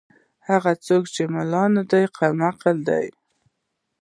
یا هغه څوک چې ملا نه دی کم حق لري.